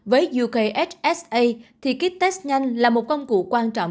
với ukhsa thì kết test nhanh là một công cụ quan trọng